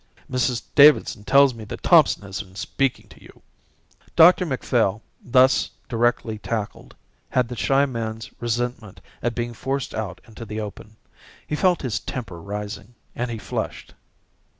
"Mrs Davidson tells me that Thompson has been speaking to you." Dr Macphail, thus directly tackled, had the shy man's resentment at being forced out into the open. He felt his temper rising, and he flushed.